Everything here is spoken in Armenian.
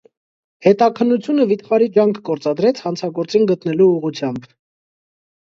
Հետաքննությունը վիթխարի ջանք գործադրեց հանցագործին գտնելու ուղղությամբ։